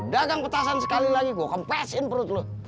dagang petasan sekali lagi gue kempesin perut lo